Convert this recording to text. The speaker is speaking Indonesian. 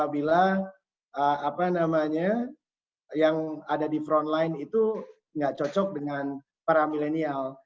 bila apa namanya yang ada di front line itu nggak cocok dengan para milenial